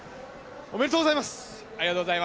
ありがとうございます。